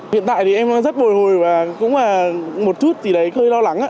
hiện tại thì em rất bồi hồi và cũng là một chút thì đấy hơi lo lắng ạ